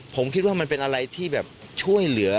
ผมคิดว่ามันเป็นอะไรที่แบบช่วยเหลือ